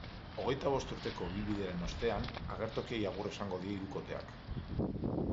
Hogeita bost urteko ibilbidearen ostean, agertokiei agur esango die hirukoteak.